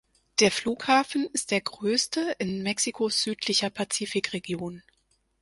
Der Flughafen ist der größte in Mexikos südlicher Pazifikregion.